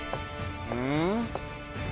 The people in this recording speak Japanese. うん？